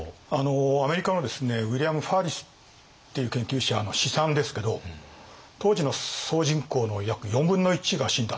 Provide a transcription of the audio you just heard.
アメリカのウィリアム・ファリスっていう研究者の試算ですけど当時の総人口の約４分の１が死んだ。